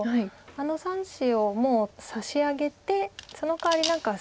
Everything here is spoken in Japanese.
あの３子をもう差し上げてそのかわり何か。